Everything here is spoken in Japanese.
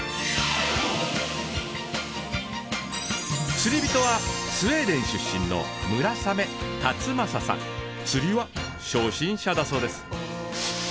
釣りびとはスウェーデン出身の釣りは初心者だそうです。